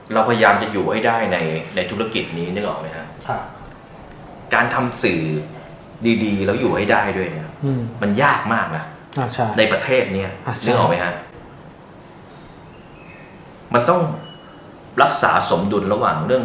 เราพยายามจะอยู่ให้ได้ในธุรกิจนี้นึกออกไหมครับ